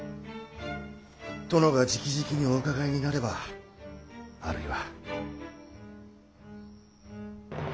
殿がじきじきにお伺いになればあるいは。